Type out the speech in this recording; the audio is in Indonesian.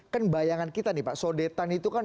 kan bayangan kita nih pak sodetan itu kan